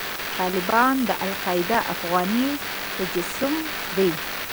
طالبان د القاعده افغاني تجسم دی.